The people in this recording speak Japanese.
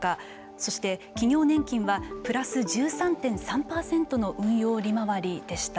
そして企業年金はプラス１３．３％の運用利回りでした。